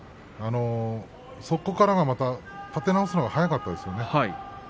そこから立て直すのが早かったですよね。